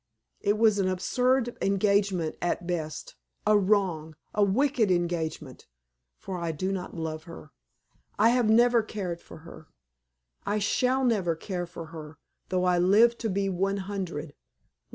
It was an absurd engagement at best a wrong a wicked engagement, for I do not love her; I have never cared for her! I shall never care for her, though I live to be one hundred.